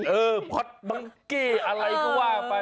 เออพ็อตบังกี้อะไรก็ว่าไป